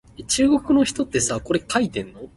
竹棑